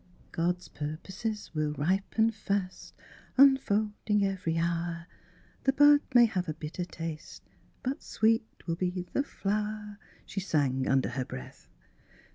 " God's purposes will ripen fast, Unfolding every hour; The bud may have a bitter taste But sweet will be the flower^" she sang under her breath.